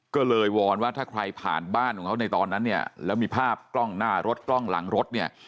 ก็เลยวอนว่าถ้าใครผ่านบ้านของเขาในตอนนั้นเนี่ยแล้วมีภาพกล้องหน้ารถกล้องหลังรถเนี่ย